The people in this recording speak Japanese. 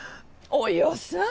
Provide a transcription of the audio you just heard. およさぁ。